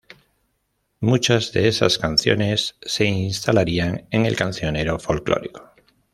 Muchas de esas canciones se instalarían en el cancionero folklórico.